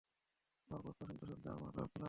তোমার প্রশ্ন শুনতে শুনতে আমরা ক্লান্ত!